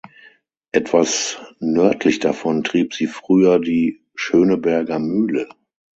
Etwas nördlich davon trieb sie früher die "Schöneberger Mühle".